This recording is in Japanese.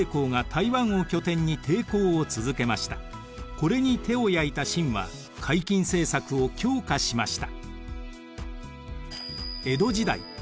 これに手を焼いた清は海禁政策を強化しました。